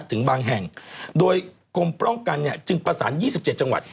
ถึงบางแห่งโดยกรมป้องกันเนี่ยจึงประสาน๒๗จังหวัด